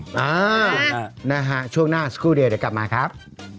อ๋อช่วงหน้าช่วงหน้าสักครู่เดี๋ยวเดี๋ยวกลับมาครับ